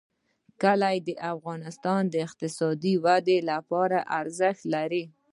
کلي د افغانستان د اقتصادي ودې لپاره ارزښت لري.